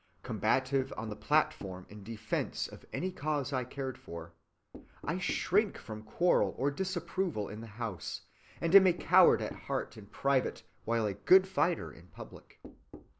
Combative on the platform in defense of any cause I cared for, I shrink from quarrel or disapproval in the house, and am a coward at heart in private while a good fighter in public.